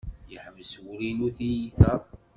Yeḥbes wul-inu tiyita.